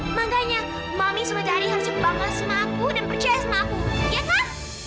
makanya mami sepenuhnya hari harus berbangga sama aku dan percaya sama aku iya kan